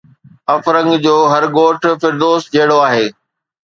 افرنگ جو هر ڳوٺ فردوس جهڙو آهي